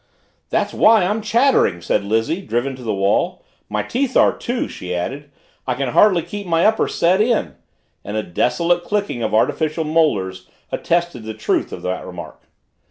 "That's why I'm chattering!" said Lizzie, driven to the wall. "My teeth are, too," she added. "I can hardly keep my upper set in," and a desolate clicking of artificial molars attested the truth of the remark.